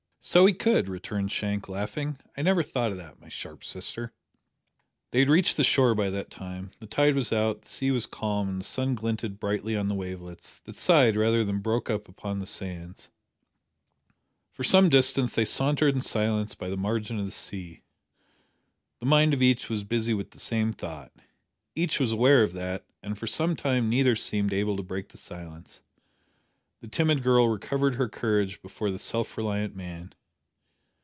"So he could!" returned Shank, laughing. "I never thought o' that, my sharp sister." They had reached the shore by that time. The tide was out; the sea was calm and the sun glinted brightly on the wavelets that sighed rather than broke upon the sands. For some distance they sauntered in silence by the margin of the sea. The mind of each was busy with the same thought. Each was aware of that, and for some time neither seemed able to break the silence. The timid girl recovered her courage before the self reliant man!